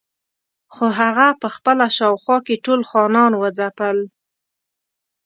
خو هغه په خپله شاوخوا کې ټول خانان وځپل.